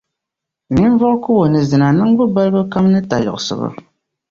ninvuɣukubo ni zina niŋbu balibu kam ni tayiɣisigu.